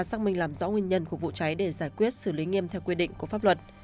xác minh làm rõ nguyên nhân của vụ cháy để giải quyết xử lý nghiêm theo quy định của pháp luật